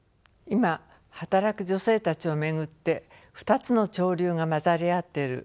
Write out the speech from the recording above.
今働く女性たちを巡って２つの潮流が混ざり合っている。